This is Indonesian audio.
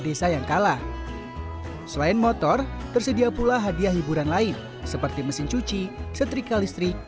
desa yang kalah selain motor tersedia pula hadiah hiburan lain seperti mesin cuci setrika listrik